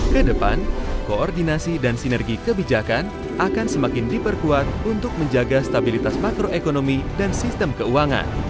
kedepan koordinasi dan sinergi kebijakan akan semakin diperkuat untuk menjaga stabilitas makroekonomi dan sistem keuangan